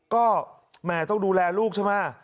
ก็แหมต้องดูแลลูกใช่ไหม